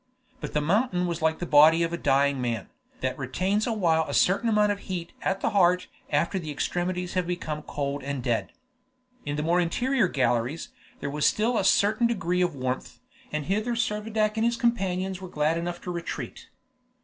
But the mountain was like the body of a dying man, that retains awhile a certain amount of heat at the heart after the extremities have become cold and dead. In the more interior galleries there was still a certain degree of warmth, and hither Servadac and his companions were glad enough to retreat.